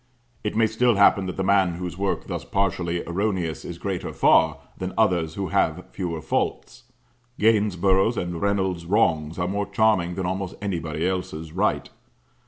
It may still happen that the man whose work thus partially erroneous is greater far, than others who have fewer faults. Gainsborough's and Reynolds' wrongs are more charming than almost anybody else's right.